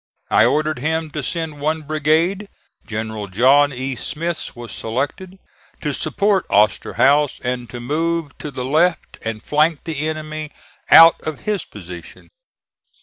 I ordered him to send one brigade (General John E. Smith's was selected) to support Osterhaus, and to move to the left and flank the enemy out of his position.